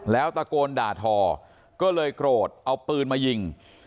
แล้วตะโกนด่าทอก็เลยโกรธเอาปืนมายิง